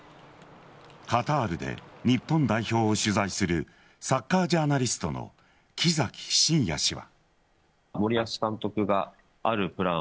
カタールで日本代表を取材するサッカージャーナリストの木崎伸也氏は。